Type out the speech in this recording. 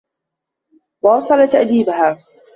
وَأَوْصَلَ تَأْدِيبَهَا